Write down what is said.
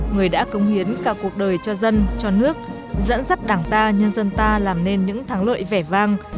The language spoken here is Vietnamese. người đã cống hiến cả cuộc đời cho dân cho nước dẫn dắt đảng ta nhân dân ta làm nên những thắng lợi vẻ vang